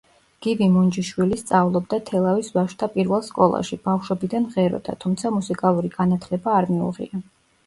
გივი მუნჯიშვილი სწავლობდა თელავის ვაჟთა პირველი სკოლაში, ბავშვობიდან მღეროდა, თუმცა მუსიკალური განათლება არ მიუღია.